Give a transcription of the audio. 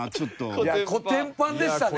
いやコテンパンでしたね。